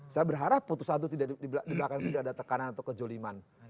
saya berharap putusan itu di belakang tidak ada tekanan atau kejoliman